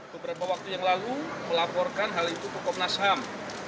beberapa waktu yang lalu melaporkan hal itu ke komnas ham